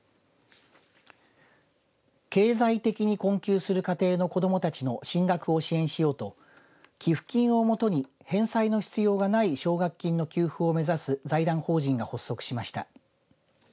経済的に困窮する家庭の子どもたちの進学を支援しようと寄付金をもとに返済の必要がない奨学金の給付を目指す財団法人が発足しました。